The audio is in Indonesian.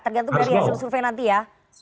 tergantung dari hasil survei nanti ya